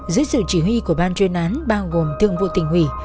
giới sĩ chỉ huy của ban chuyên án bao gồm thương vụ tình hủy